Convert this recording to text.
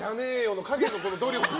の陰の努力。